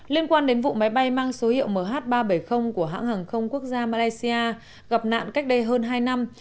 liên quan đến vụ máy bay mang số hiệu mh ba trăm bảy mươi của hãng hàng không quốc gia malaysia gặp nạn cách đây hơn hai năm